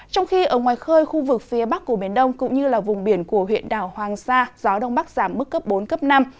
trong khi ở ngoài khơi khu vực phía bắc của biển đông cũng như là vùng biển của huyện đảo hoàng sa gió đông bắc giảm mức cấp bốn cấp năm